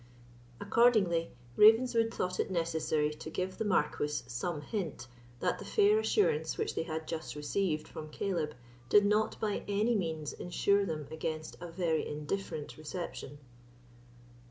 Accordingly, Ravenswood thought it necessary to give the Marquis some hint that the fair assurance which they had just received from Caleb did not by any means ensure them against a very indifferent reception.